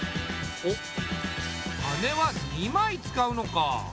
おっ羽根は２枚使うのか。